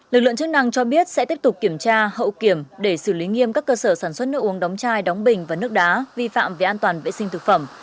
lực lượng chức năng cho biết sẽ tiếp tục kiểm tra hậu kiểm để xử lý nghiêm các cơ sở sản xuất nước uống đóng chai đóng bình và nước đá vi phạm về an toàn vệ sinh thực phẩm